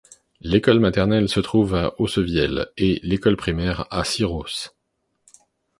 L'école maternelle se trouve à Aussevielle et l'école primaire à Siros.